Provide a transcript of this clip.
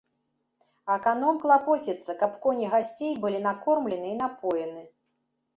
Аканом клапоціцца, каб коні гасцей былі накормлены і напоены.